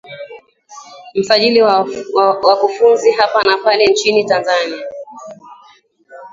msajili na wakufunzi hapa na pale nchini tanzania